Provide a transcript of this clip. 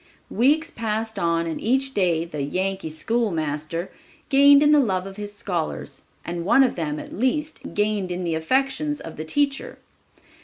Weeks passed on and each day the "Yankee schoolmaster" gained in the love of his scholars, and one of them, at least, gained in the affections of the teacher.